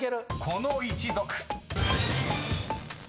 ［この一族］